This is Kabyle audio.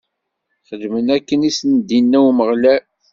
Xedmen akken i sen-d-inna Umeɣlal.